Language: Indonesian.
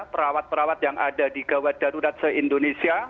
perawat perawat yang ada di gawat darurat se indonesia